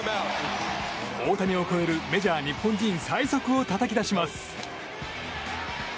大谷を超えるメジャー日本人最速をたたき出します。